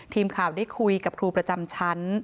ทีมข่าวได้คุยกับครูประจำชั้น